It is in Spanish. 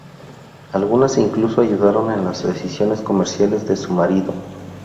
Algunas incluso ayudaron en las decisiones comerciales de su marido.